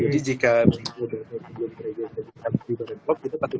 jadi jika berikut obat obat yang sudah diregistrasi di badan pom